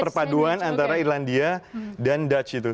perpaduan antara irlandia dan dutch itu